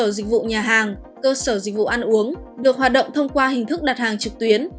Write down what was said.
dịch vụ nhà hàng cơ sở dịch vụ ăn uống được hoạt động thông qua hình thức đặt hàng trực tuyến